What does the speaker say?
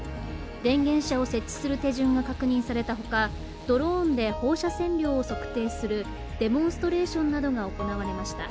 電源車を設置する手順が確認されたほか、ドローンで放射線量を測定するデモンストレーションなどが行われました。